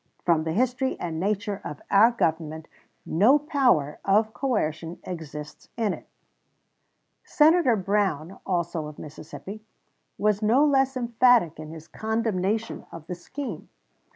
From the history and nature of our government no power of coercion exists in it. Ibid., p. 33. Senator Brown, also of Mississippi, was no less emphatic in his condemnation of the scheme.